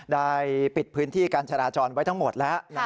ได้ปิดพื้นที่การจราจรไว้ทั้งหมดแล้ว